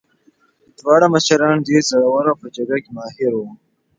دواړه مشران ډېر زړور او په جګړه کې ماهر وو.